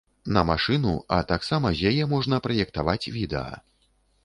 На машыну, а таксама з яе можна праектаваць відэа.